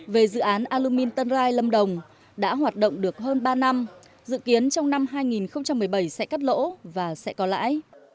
về dự án alumin tân rai lâm đồng đã hoạt động được hơn ba năm dự kiến trong năm hai nghìn một mươi bảy sẽ cắt lỗ và sẽ có lãi